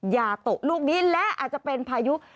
ยาโตะลูกนี้และอาจจะเป็นพายุ